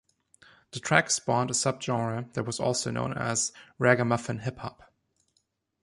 The track spawned a subgenre that was also known as 'ragamuffin hip hop'.